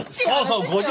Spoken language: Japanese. そうそう。